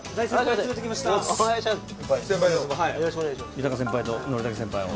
豊先輩と憲武先輩を。